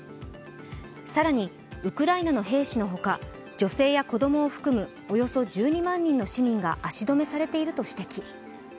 さらにウクライナの兵士のほか女性や子供を含むおよそ１２万人の市民が足止めされていると指摘。